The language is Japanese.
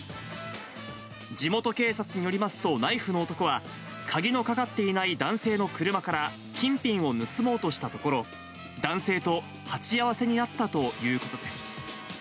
地元警察によりますと、ナイフの男は、鍵のかかっていない男性の車から金品を盗もうとしたところ、男性と鉢合わせになったということです。